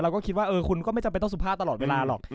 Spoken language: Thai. ก็คิดว่าคุณก็ไม่จำเป็นต้องสุภาพตลอดเวลาหรอก